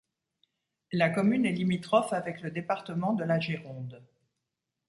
La commune est limitrophe avec le département de la Gironde.